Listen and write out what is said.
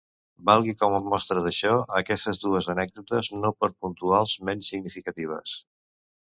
Valgui com a mostra d'això aquestes dues anècdotes no per puntuals menys significatives.